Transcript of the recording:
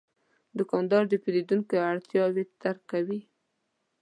دوکاندار د پیرودونکو اړتیاوې درک کوي.